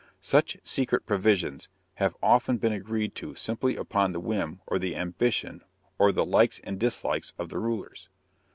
Such secret provisions have often been agreed to simply upon the whim or the ambition or the likes and dislikes of the rulers.